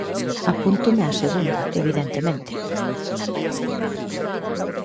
Apúntome á segunda, evidentemente.